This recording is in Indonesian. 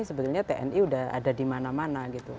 sebetulnya tni sudah ada di mana mana gitu